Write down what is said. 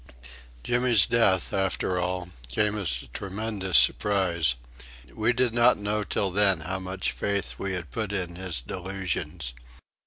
Jimmy's death, after all, came as a tremendous surprise. We did not know till then how much faith we had put in his delusions.